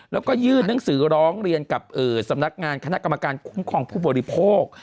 แล้วก็ยื่นหนังสือร้องเรียนกับสำนักงานคณะกรรมการคุ้มครองผู้บริโภค